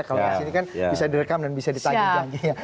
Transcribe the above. kalau di sini kan bisa direkam dan bisa ditanyain janjinya